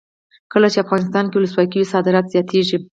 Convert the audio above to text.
کله چې افغانستان کې ولسواکي وي صادرات زیاتیږي.